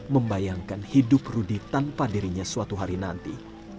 membayangkan hidup rudy tanpa dirinya suatu hari nanti